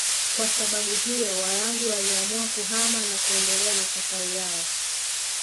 Kwa sababu hiyo Warangi waliamua kuhama na kuendelea na safari yao